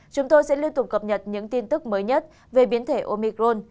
chúng tôi sẽ liên tục cập nhật những tin tức mới nhất về biến thể omicron